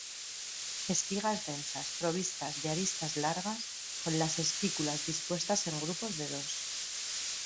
Espigas densas provistas de aristas largas, con las espículas dispuestas en grupos de dos.